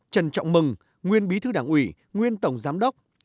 trần trọng mừng nguyên bí thư đảng ủy nguyên tổng giám đốc